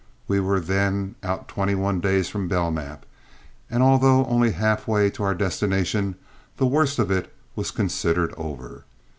We were then out twenty one days from Belknap, and although only half way to our destination, the worst of it was considered over.